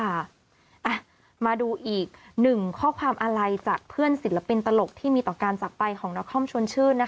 อ่ะมาดูอีกหนึ่งข้อความอะไรจากเพื่อนศิลปินตลกที่มีต่อการจักรไปของนครชวนชื่นนะคะ